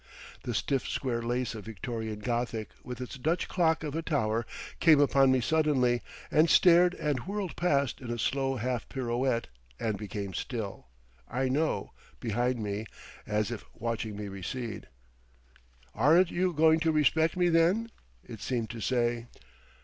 The stiff square lace of Victorian Gothic with its Dutch clock of a tower came upon me suddenly and stared and whirled past in a slow half pirouette and became still, I know, behind me as if watching me recede. "Aren't you going to respect me, then?" it seemed to say.